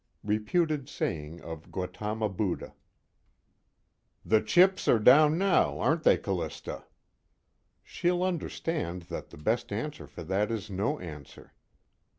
Reputed saying of GAUTAMA BUDDHA I "The chips are down now, aren't they, Callista?" _She'll understand that the best answer for that one is no answer.